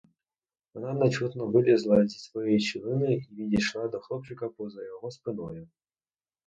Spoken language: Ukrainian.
Вона нечутно вилізла зі своєї щілини й підійшла до хлопчика поза його спиною.